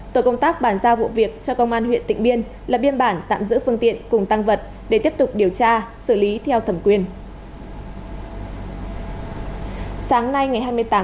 tổ công tác bàn giao vụ việc cho công an huyện tịnh biên là biên bản tạm giữ phương tiện cùng tăng vật để tiếp tục điều tra xử lý theo thẩm quyền